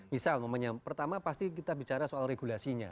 misal pertama pasti kita bicara soal regulasinya